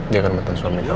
dia kan mantan suaminya kamu